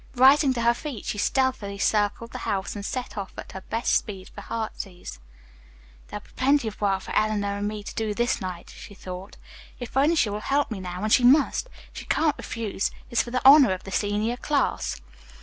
Rising to her feet, she stealthily circled the house and set off at her best speed for "Heartsease." "There'll be plenty of work for Eleanor and me to do this night," she thought. "If only she will help me now, and she must. She can't refuse. It's for the honor of the senior class."